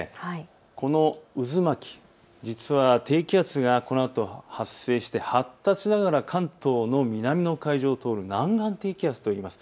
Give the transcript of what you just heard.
この渦巻き、実は低気圧がこのあと発生して発達しながら関東の南の海上を通る南岸低気圧といいます。